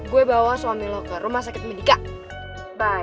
gue bawa suami lo ke rumah sakit medika bye